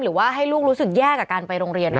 หรือว่าให้ลูกรู้สึกแย่กับการไปโรงเรียน